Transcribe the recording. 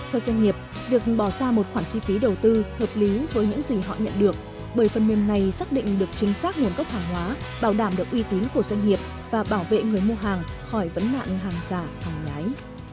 theo doanh nghiệp việc bỏ ra một khoản chi phí đầu tư hợp lý với những gì họ nhận được bởi phần mềm này xác định được chính xác nguồn gốc hàng hóa bảo đảm được uy tín của doanh nghiệp và bảo vệ người mua hàng khỏi vấn nạn hàng giả hàng nhái